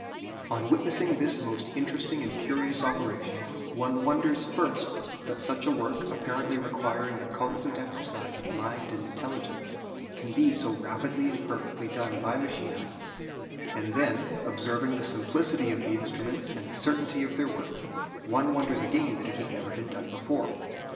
On witnessing this most interesting and curious operation, one wonders, first, that such a work, apparently requiring the constant exercise of mind and intelligence, can be so rapidly and perfectly done by machinery; and then, observing the simplicity of the instruments and the certainty of their work, one wonders again that it has never been done before.